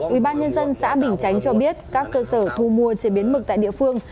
ubnd xã bình chánh cho biết các cơ sở thu mua chế biến mực tại địa phương